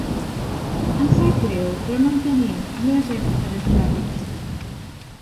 Em sap greu, però no en tenim, no és època d'espàrrecs.